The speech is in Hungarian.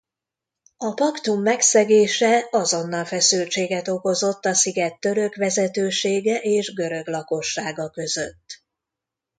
A paktum megszegése azonnal feszültséget okozott a sziget török vezetősége és görög lakossága között.